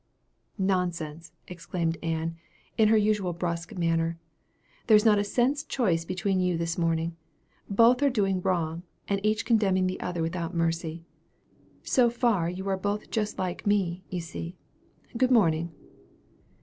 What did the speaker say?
"Nonsense!" exclaimed Ann, in her usual brusque manner. "There is not a cent's choice between you this morning; both are doing wrong, and each is condemning the other without mercy. So far you are both just like me, you see. Good morning."